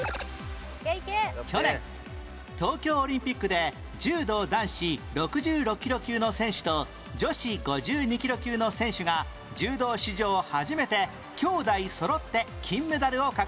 去年東京オリンピックで柔道男子６６キロ級の選手と女子５２キロ級の選手が柔道史上初めて兄妹そろって金メダルを獲得